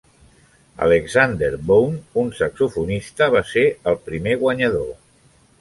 Alexander Bone, un saxofonista, va ser el primer guanyador.